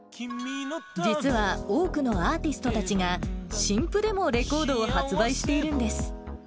実は、多くのアーティストたちが、新譜でもレコードを発売しているんです。